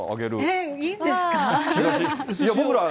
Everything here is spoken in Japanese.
いいんですか？